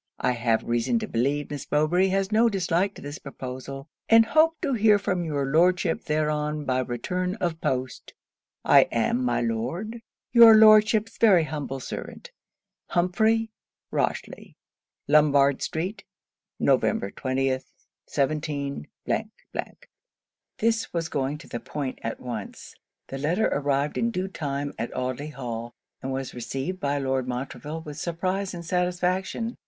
'I have reason to believe Miss Mowbray has no dislike to this proposal; and hope to hear from your Lordship thereon by return of post. I am, my Lord, your Lordship's very humble servant, HUMPHREY ROCHELY.' Lombard street, Nov. 20th. 17 . This was going to the point at once. The letter arrived in due time at Audley Hall; and was received by Lord Montreville with surprise and satisfaction.